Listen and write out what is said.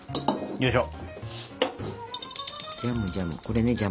よいしょ。